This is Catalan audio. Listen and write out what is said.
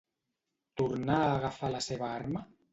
Tornà a agafar la seva arma?